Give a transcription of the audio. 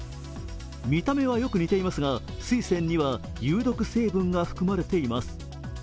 見た目はよく似ていますがスイセンには有毒成分が含まれています。